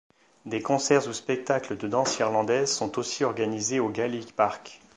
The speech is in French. Des concerts ou spectacles de danse irlandaise sont aussi organisés au Gaelic Park.